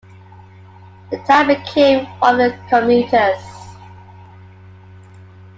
The town became one of commuters.